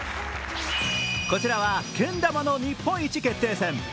こちらはけん玉の日本一決定戦。